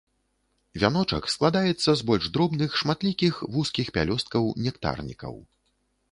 Вяночак складаецца з больш дробных, шматлікіх вузкіх пялёсткаў-нектарнікаў.